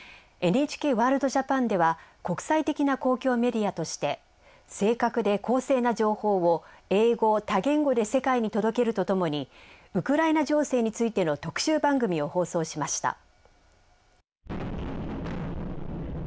「ＮＨＫワールドＪＡＰＡＮ」では国際的な公共メディアとして正確で公正な情報を英語・多言語で世界に届けるとともにウクライナ情勢についての特集番組を放送しました。